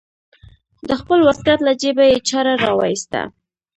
د خپل واسکټ له جيبه يې چاړه راوايسته.